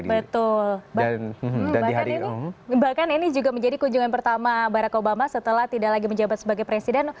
betul bahkan ini juga menjadi kunjungan pertama barack obama setelah tidak lagi menjabat sebagai presiden